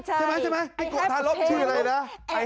ใช่ไหมไอ้โกะทะโละชื่ออะไรนะ